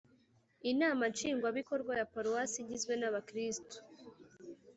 Inama Nshingwabikorwa ya Paruwase igizwe nabakirisitu